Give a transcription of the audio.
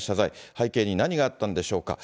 背景に何があったんでしょうか。